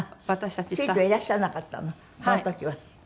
付いてはいらっしゃらなかったのその時は。